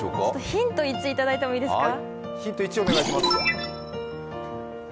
ヒント１いただいてもいいですか？